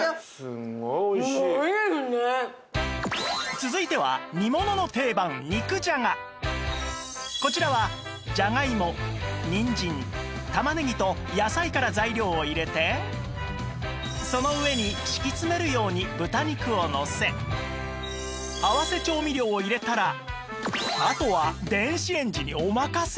続いてはこちらはじゃがいもにんじん玉ねぎと野菜から材料を入れてその上に敷き詰めるように豚肉をのせ合わせ調味料を入れたらあとは電子レンジにおまかせ！